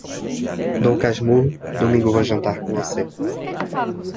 Dom Casmurro, domingo vou jantar com você.